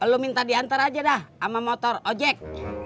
lu minta diantar aja dah sama motor ojek